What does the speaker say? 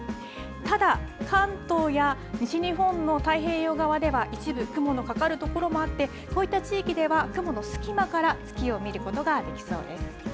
ただ、関東や西日本の太平洋側では一部、雲のかかるところもあってこういった地域では雲の隙間から月を見ることができそうです。